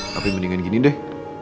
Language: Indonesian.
tapi mendingan gini deh